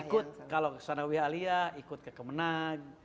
ikut kalau sanawiyah aliyah ikut ke kemenang